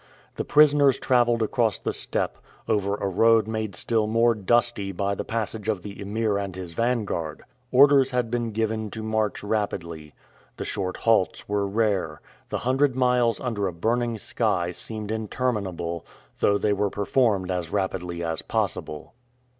The prisoners traveled across the steppe, over a road made still more dusty by the passage of the Emir and his vanguard. Orders had been given to march rapidly. The short halts were rare. The hundred miles under a burning sky seemed interminable, though they were performed as rapidly as possible.